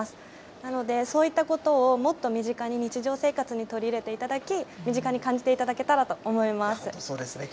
なので、そういったことをもっと身近に、日常生活に取り入れていただき、身近に感じていただけた本当そうですね。